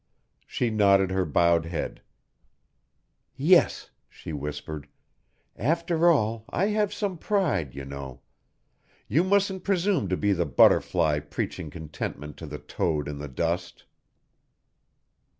She nodded her bowed head. "Yes," she whispered. "After all, I have some pride, you know. You mustn't presume to be the butterfly preaching contentment to the toad in the dust."